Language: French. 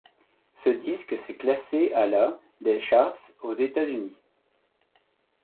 Ce disque s'est classé à la des charts aux États-Unis.